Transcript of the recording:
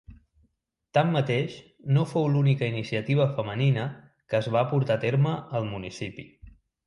Tanmateix no fou l'única iniciativa femenina que es va portar a terme al municipi.